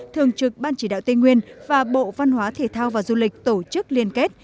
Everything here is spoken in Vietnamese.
thường trực ban chỉ đạo tây nguyên và bộ văn hóa thể thao và du lịch tổ chức liên kết